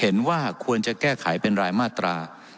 เห็นว่าควรจะแก้ไขเป็นรายมาตรา